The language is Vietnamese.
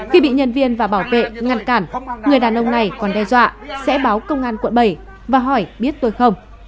khi bị nhân viên và bảo vệ ngăn cản người đàn ông này còn đe dọa sẽ báo công an quận bảy và hỏi biết tôi không